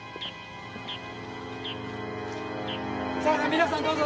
皆さんどうぞ。